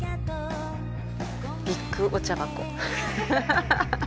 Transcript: ビッグお茶箱。